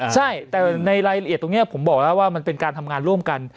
ใช่แต่ในรายละเอียดตรงนี้ผมบอกแล้วว่ามันเป็นการทำงานร่วมกัน